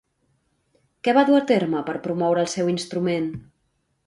Què va dur a terme per promoure el seu instrument?